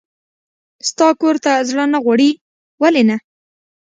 ستا کور ته زړه نه غواړي؟ ولې نه.